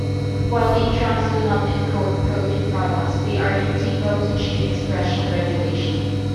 While introns do not encode protein products, they are integral to gene expression regulation.